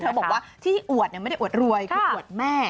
บอกว่าที่อวดไม่ได้อวดรวยคืออวดแม่